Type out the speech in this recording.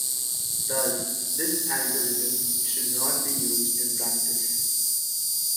Thus this algorithm should not be used in practice.